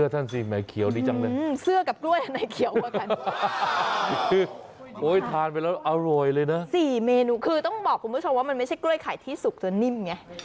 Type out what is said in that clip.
ทำให้ไข่ที่สุกตะเนิ่มไงมันจะมีความหำหาม